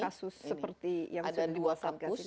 kasus seperti yang sudah dibuat